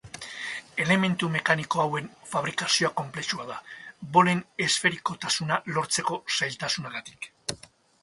Elementu mekaniko hauen fabrikazioa konplexua da, bolen esferikotasuna lortzeko zailtasunagatik.